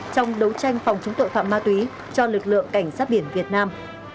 trong đấu tranh phòng chống tội phạm ma túy cho lực lượng cảnh sát biển việt nam